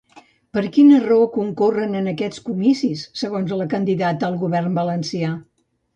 Per quina raó concorren en aquests comicis, segons la candidata al govern valencià?